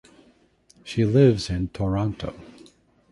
She lives in Toronto.